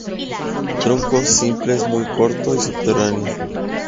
Tronco simples muy corto y subterráneo.